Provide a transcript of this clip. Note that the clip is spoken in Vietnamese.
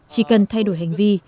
chỉ cần thay đổi hành vi